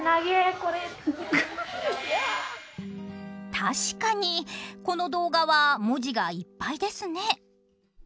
確かにこの動画は文字がいっぱいですね。